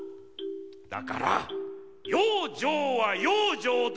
だから養生は養生だよ！